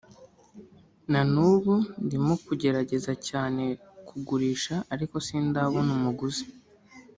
“Na n’ubu ndimo kugerageza cyane kugurisha ariko sindabona umuguzi